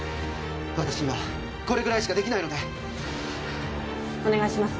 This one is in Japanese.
私にはこれぐらいしかできないのでお願いします